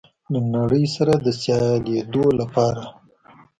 له نړۍ سره د سیالېدو لپاره